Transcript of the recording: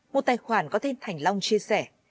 một tài khoản có tên thành long chia sẻ